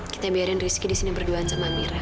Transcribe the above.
kita biarin rizky disini berduaan sama amira